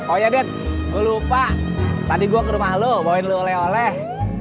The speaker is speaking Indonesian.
oh ya dead gue lupa tadi gue ke rumah lo bawain lu oleh oleh